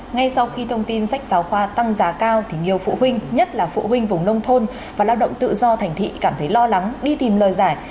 ngay sau khi thông tin sách giáo khoa tăng giá cao thì nhiều phụ huynh nhất là phụ huynh vùng nông thôn và lao động tự do thành thị cảm thấy lo lắng đi tìm lời giải